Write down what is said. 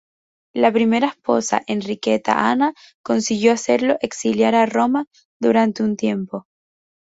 La primera esposa Enriqueta Ana consiguió hacerlo exiliar a Roma durante un tiempo.